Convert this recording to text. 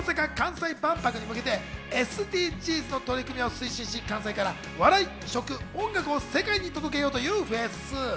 こちらは２０２５年の大阪・関西万博に向けて、ＳＤＧｓの取り組みを推進し、関西から笑い、食、音楽を世界に届けようというフェス。